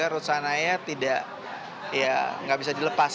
karena ruth sahanaya tidak bisa dilepas